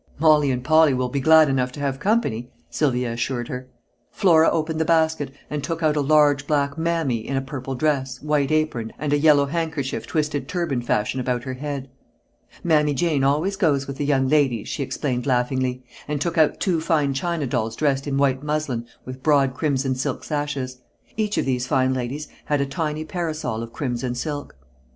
"Molly and Polly will be glad enough to have company," Sylvia assured her. Flora opened the basket and took out a large black "mammy" in a purple dress, white apron, and a yellow handkerchief twisted turban fashion about her head. "Mammy Jane always goes with the young ladies," she explained laughingly, and took out two fine china dolls dressed in white muslin with broad crimson silk sashes. Each of these fine ladies had a tiny parasol of crimson silk.